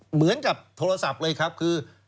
เหมือนกับโทรศัพท์เลยครับคือ